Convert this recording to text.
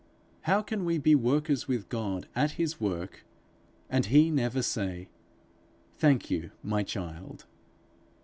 How can we be workers with God at his work, and he never say 'Thank you, my child'?